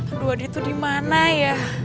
aduh adi tuh di mana ya